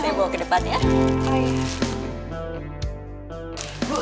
bu nia mau juga ikut adventartku